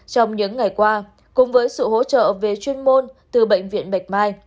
trong những ngày qua cùng với sự hỗ trợ về chuyên môn từ bệnh viện bạch mai